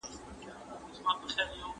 څه عجيبه غوندې منظر کښې شپه ده